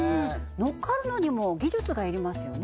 のっかるのにも技術が要りますよね